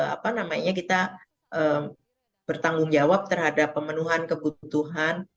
apa namanya kita bertanggung jawab terhadap pemenuhan kebutuhan